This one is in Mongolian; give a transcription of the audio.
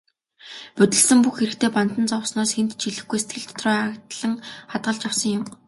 Будилсан бүх хэрэгтээ бантан зовсноос хэнд ч хэлэхгүй, сэтгэл дотроо агдлан хадгалж явсан юм.